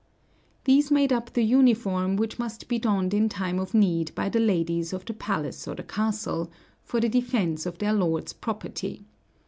These made up the uniform which must be donned in time of need by the ladies of the palace or the castle, for the defense of their lord's property.